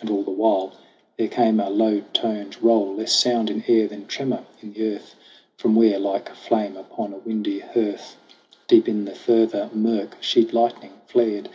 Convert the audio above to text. And all the while there came a low toned roll, Less sound in air than tremor in the earth, From where, like flame upon a windy hearth, Deep in the further murk sheet lightning flared.